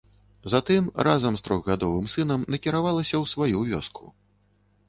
Затым разам з трохгадовым сынам накіравалася ў сваю вёску.